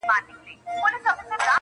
• بدرګه را سره ستوري وړمهیاره..